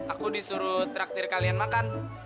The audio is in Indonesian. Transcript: aku disuruh traktir kalian makan